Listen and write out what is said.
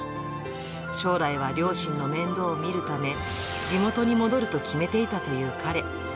将来は両親の面倒を見るため、地元に戻ると決めていたという彼。